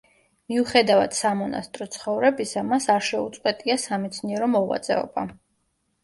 მიუხედავად სამონასტრო ცხოვრებისა, მას არ შეუწყვეტია სამეცნიერო მოღვაწეობა.